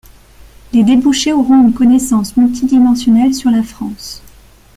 Les débouchés auront une connaissance multidimensionnelle sur la France.